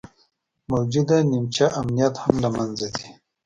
موجوده نیمچه امنیت هم له منځه ځي